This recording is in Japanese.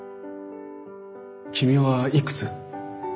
君はいくつ？